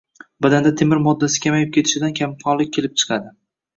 Badanda temir moddasi kamayib ketishidan kamqonlik kelib chiqadi.